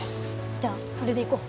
じゃあそれでいこう。